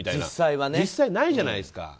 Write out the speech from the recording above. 実際はないじゃないですか。